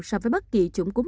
so với bất kỳ